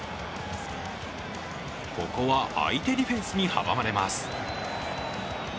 ここは相手ディフェンスに阻まれます。